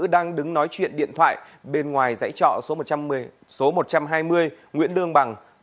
đang đứng nói chuyện điện thoại bên ngoài giải trọ số một trăm hai mươi nguyễn lương bằng